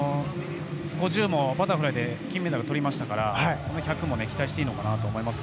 ５０ｍもバタフライで金メダルとりましたから１００も期待していいのかなと思います。